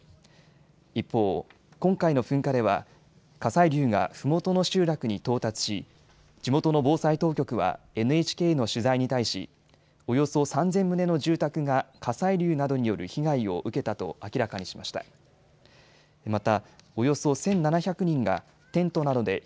一方、今回の噴火では火砕流がふもとの集落に到達し地元の防災当局はＮＨＫの取材に対し、およそ３０００棟の住宅が火砕流などによる被害を受けたと明らかにしました。